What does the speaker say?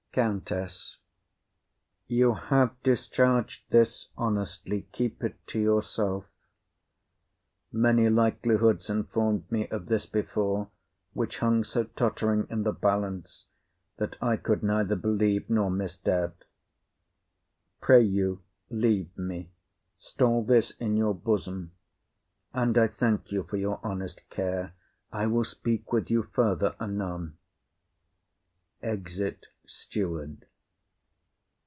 COUNTESS. You have discharg'd this honestly; keep it to yourself; many likelihoods inform'd me of this before, which hung so tottering in the balance that I could neither believe nor misdoubt. Pray you leave me; stall this in your bosom; and I thank you for your honest care. I will speak with you further anon. [_Exit Steward.